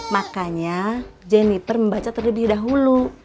makanya jenniper membaca terlebih dahulu